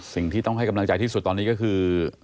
สิ่งที่ต้องให้กำลังใจที่สุดตอนนี้ก็คือ